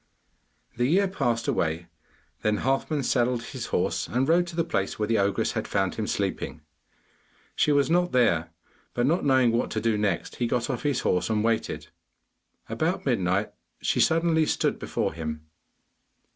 The year passed away, then Halfman saddled his horse, and rode to the place where the ogress had found him sleeping. She was not there, but not knowing what to do next, he got off his horse and waited. About midnight she suddenly stood before him.